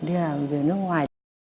đi làm việc ở nước ngoài